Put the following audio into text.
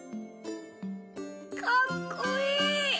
かっこいい！